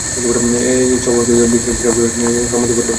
MS Alam visa প্রক্রিয়া করে হজে নিয়ে যাওয়ার জন্য সম্মতিপত্রও দেয়।